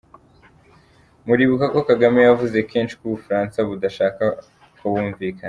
Muribuka ko Kagame yavuze kenshi ko u Bufaransa budashaka ko bumvikana.